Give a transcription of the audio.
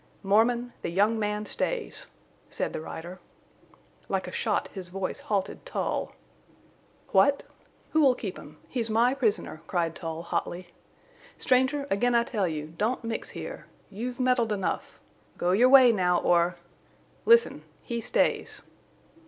"Mormon, the young man stays," said the rider. Like a shot his voice halted Tull. "What!" "Who'll keep him? He's my prisoner!" cried Tull, hotly. "Stranger, again I tell you—don't mix here. You've meddled enough. Go your way now or—" "Listen!... He stays."